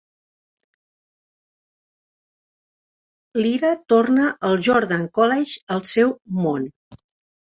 Lyra torna al Jordan College al seu món.